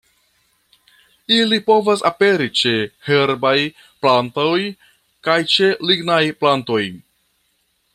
Ili povas aperi ĉe herbaj plantoj kaj ĉe lignaj plantoj.